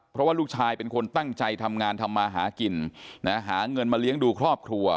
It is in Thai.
เพราะว่าลูกชายเป็นคนตั้งใจทำงานทำมาหากินหาเงินมาเลี้ยงดูครอบครัว